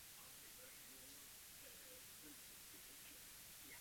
Toto odstranění je velice nákladné.